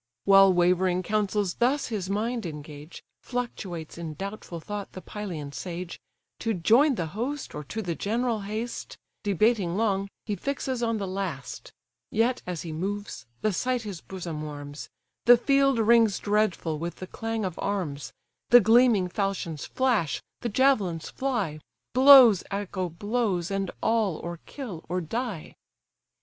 While wavering counsels thus his mind engage, Fluctuates in doubtful thought the Pylian sage, To join the host, or to the general haste; Debating long, he fixes on the last: Yet, as he moves, the sight his bosom warms, The field rings dreadful with the clang of arms, The gleaming falchions flash, the javelins fly; Blows echo blows, and all or kill or die.